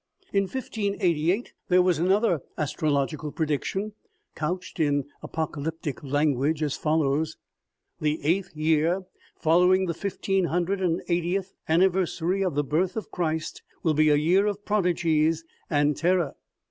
In 1588 there was another astrological prediction, couched in apocalyptic language, as follows :" The eighth year following the fifteen hundred and eightieth anni versary of the birth of Christ will be a year of prodigies and terror.